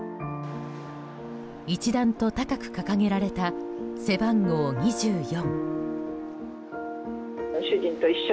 一段と高く掲げられた背番号２４。